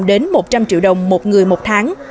đến một trăm linh triệu đồng một người một tháng